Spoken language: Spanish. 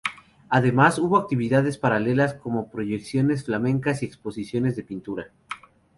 Además hubo actividades paralelas como proyecciones flamencas y exposiciones de pintura.